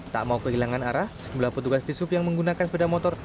tak mau kehilangan arah sejumlah petugas di sub yang menggunakan sepeda motor